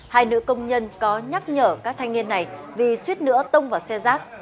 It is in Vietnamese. hai nữ công nhân có nhắc nhở các thanh niên này vì suýt nửa tông vào xe rác